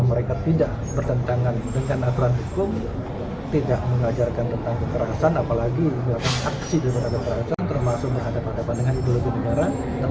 mereka tidak bertentangan dengan aturan hukum tidak mengajarkan tentang kekerasan apalagi terhadap ideologi negara